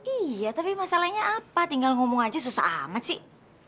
iya tapi masalahnya apa tinggal ngomong aja susah amat sih